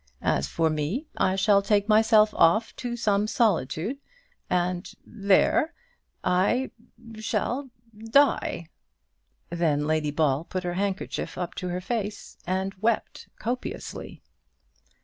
As for me, I shall take myself off to some solitude, and there I shall die." Then Lady Ball put her handkerchief up to her face and wept copiously.